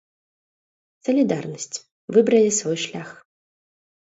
Салідарнасць, выбралі свой шлях.